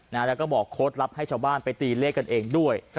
แล้วก็บอกโค้ดลับให้ชาวบ้านไปตีเลขกันเองด้วย